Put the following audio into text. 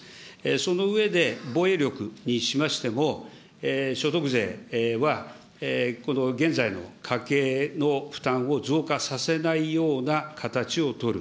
その上で、防衛力にしましても、所得税は、この現在の家計の負担を増加させないような形をとる。